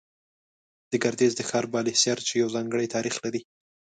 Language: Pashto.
د ګردېز د ښار بالا حصار، چې يو ځانگړى تاريخ لري